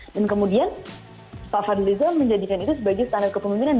dan kemudian pak fadli zon menjadikan itu sebagai standar kepemimpinan